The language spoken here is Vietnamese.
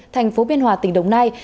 thành phố biên hòa tỉnh đồng nai